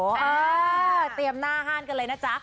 เออเออเตรียมหน้าห้ารกันเลย